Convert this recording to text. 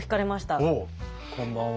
こんばんは。